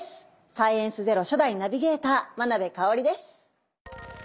「サイエンスＺＥＲＯ」初代ナビゲーター眞鍋かをりです。